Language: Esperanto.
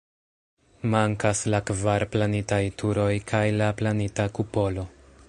Mankas la kvar planitaj turoj kaj la planita kupolo.